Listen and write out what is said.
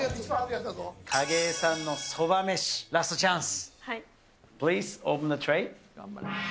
景井さんのそばめし、ラストチャンス。